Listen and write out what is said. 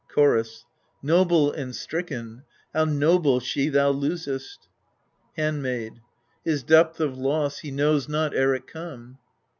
Chorus. Noble and stricken how noble she thou losest! Handmaid. His depth of loss he knows not ere it come.